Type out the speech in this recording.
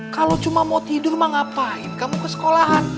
kalau cuma mau tidur mah ngapain kamu kesekolahan